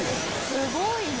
すごいな。